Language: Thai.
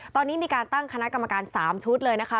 ตอนนี้มีการตั้งคณะกรรมการ๓ชุดเลยนะคะ